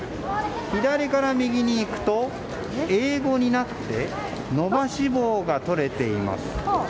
左から右にいくと、英語になってのばし棒がとれています。